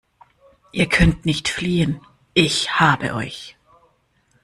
Ihr könnt nicht fliehen. Ich habe euch!